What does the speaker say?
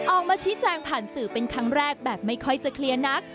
ออกมาชี้แจงผ่านสื่อเป็นครั้งแรกแบบไม่ค่อยจะเคลียร์นัก